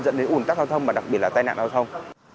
dẫn đến ủn tắc giao thông và đặc biệt là tai nạn giao thông